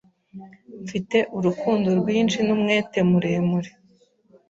Mfite urukundo rwinshi n'umwete muremure